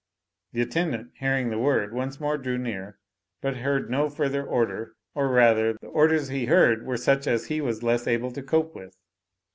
The attendant, hearing the word, once more drew near ; but heard no further order ; or, rather, the orders he heard were such as he was less able to*cope with.